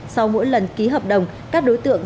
sau mỗi lần ký hợp đồng các đối tượng